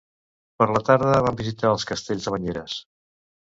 Per la tarda vam visitar el castell de Banyeres.